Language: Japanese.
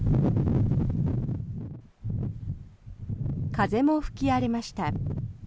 風も吹き荒れました。